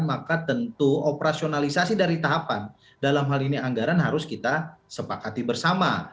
maka tentu operasionalisasi dari tahapan dalam hal ini anggaran harus kita sepakati bersama